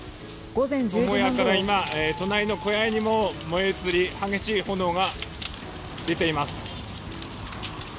母屋から隣の小屋にも燃え移り激しい炎が出ています。